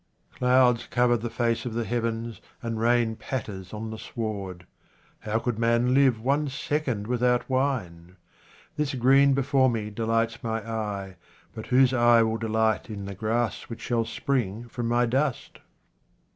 Clouds cover the face of the heavens, and rain patters on the sward. How could man live one second without wine ? This green before me 73 QUATRAINS OF OMAR KHAYYAM delights my eye, but whose eye will delight in the grass which shall spring from my dust